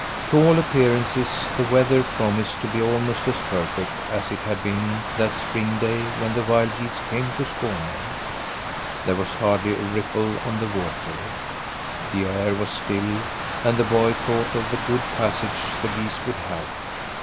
To all appearances the weather promised to be almost as perfect as it had been that spring day when the wild geese came to Skåne. There was hardly a ripple on the water; the air was still and the boy thought of the good passage the geese would have.